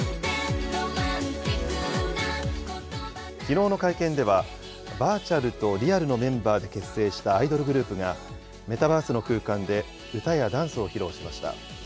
きのうの会見では、バーチャルとリアルのメンバーで結成したアイドルグループが、メタバースの空間で歌やダンスを披露しました。